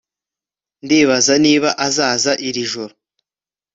Ndibaza niba azaza iri joro